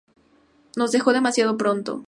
Nos dejó demasiado pronto.